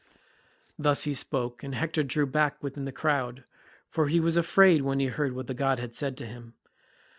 Thus he spoke, and Hector drew back within the crowd, for he was afraid when he heard what the god had said to him.